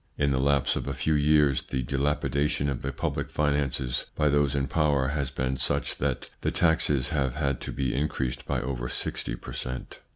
In the lapse of a few years, the dilapidation of the public finances by those in power has been such that the taxes have had to be increased by over sixty per cent.